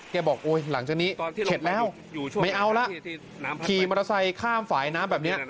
บอกโอ้ยหลังจากนี้เสร็จแล้วไม่เอาละขี่มอเตอร์ไซค์ข้ามฝ่ายน้ำแบบนี้